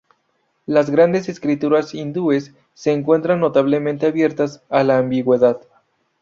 Las grandes escrituras hindúes se encuentran notablemente abiertas a la ambigüedad.